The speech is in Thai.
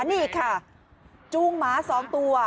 นี่ค่ะจูงหมา๒ตัว